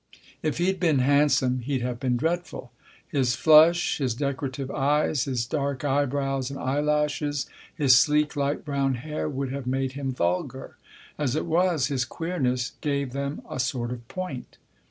If he'd been handsome he'd have been dreadful. His flush, his decorative eyes, his dark eyebrows and eyelashes, his sleek, light brown hair, would have made him vulgar. As it was, his queerness gave them a sort of point.